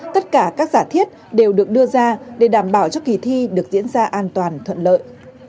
tất cả các giả thiết đều được đưa ra để đảm bảo cho kỳ thi được diễn ra an toàn thuận lợi